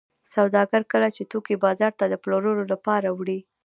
سوداګر کله چې توکي بازار ته د پلورلو لپاره وړي